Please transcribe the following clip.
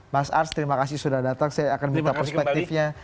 mas ars terima kasih sudah datang saya akan minta perspektifnya